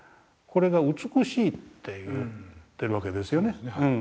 これが美しいって言ってるわけですよね。